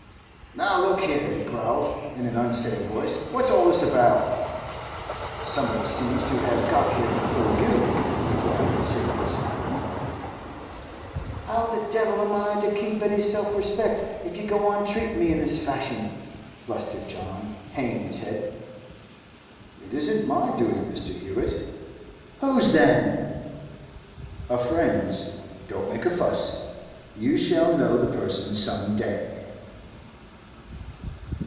'Now, look here,' he growled, in an unsteady voice, 'what's all this about?' 'Somebody seems to have got here before you,' replied Sidney, smiling. 'How the devil am I to keep any self respect if you go on treatin' me in this fashion?' blustered John, hanging his head. 'It isn't my doing, Mr. Hewett.' 'Whose, then?' 'A friend's. Don't make a fuss. You shall know the person some day.